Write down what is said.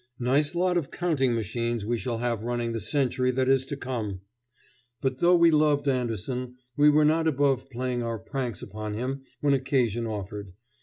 Nice lot of counting machines we shall have running the century that is to come! But though we loved Andersen, we were not above playing our pranks upon him when occasion offered.